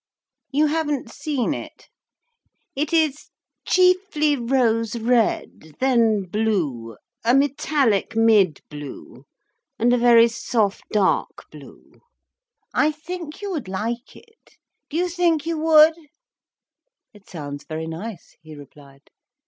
"You haven't seen it. It is chiefly rose red, then blue, a metallic, mid blue, and a very soft dark blue. I think you would like it. Do you think you would?" "It sounds very nice," he replied.